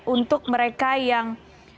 untuk mereka yang